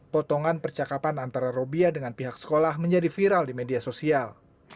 potongan percakapan antara robia dengan pihak sekolah menjadi viral di media sosial